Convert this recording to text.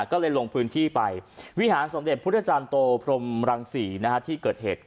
ก็เลยลงพื้นที่ไปวิหารสมเด็จพุทธจารย์โตพรมรังศรีที่เกิดเหตุ